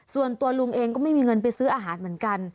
ส่วนตัวลุงเองก็ไม่มีเงินไปซื้ออาหารเหมือนกัน